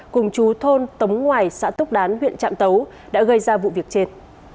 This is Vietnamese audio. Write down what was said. cùng chú thôn tống ngoài xã túc đán huyện trạm tấu đã gây ra vụ việc trên